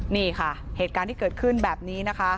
นี่ค่ะเหตุการณ์ที่เกิดขึ้นแบบนี้นะคะ